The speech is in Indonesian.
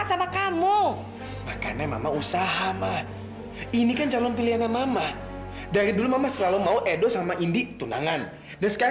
sampai jumpa di video selanjutnya